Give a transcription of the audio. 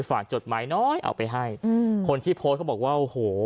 ผ่านจดหมายน้อยเอาไปให้คนที่โพสต์เขาบอกว่าโห